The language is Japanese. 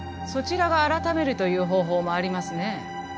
そちらが改めるという方法もありますね。